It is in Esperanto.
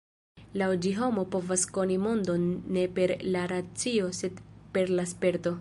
Laŭ ĝi homo povas koni mondon ne per la racio sed per la sperto.